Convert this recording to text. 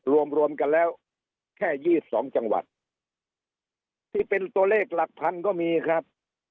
รวมรวมกันแล้วแค่๒๒จังหวัดที่เป็นตัวเลขหลักพันก็มีครับ